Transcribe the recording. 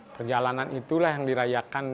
perjalanan itulah yang dirayakan